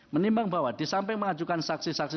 menimbang bahwa disamping mengajukan saksi saksi